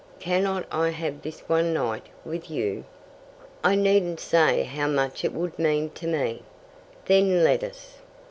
Cannot I have this one night with you?" "I needn't say how much it would mean to me." "Then let us."